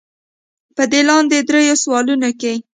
پۀ دې لاندې درې سوالونو کښې